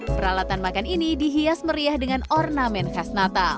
peralatan makan ini dihias meriah dengan ornamen khas natal